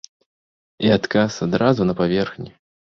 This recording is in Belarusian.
І адказ адразу на паверхні.